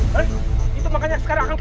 perintahnya tidak pernah